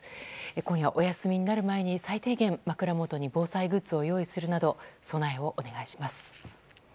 今夜、お休みになる前に最低限枕元に防災グッズを用意するなど備えをお願いします。